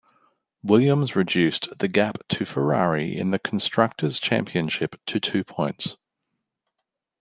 Williams reduced the gap to Ferrari in the Constructors Championship to two points.